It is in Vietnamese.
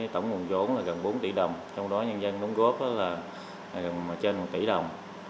tổng nguồn giống gần bốn tỷ đồng trong đó nhân dân đóng góp gần một tỷ đồng